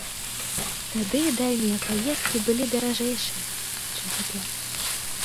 Тады дальнія паездкі былі даражэйшыя, чым цяпер.